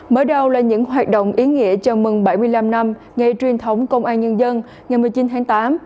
mới đầu là những hoạt động ý nghĩa chào mừng bảy mươi năm năm ngày truyền thống công an nhân dân ngày một mươi chín tháng tám